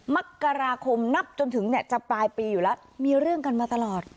มกราคมนับจนถึงเนี่ยจะปลายปีอยู่แล้วมีเรื่องกันมาตลอด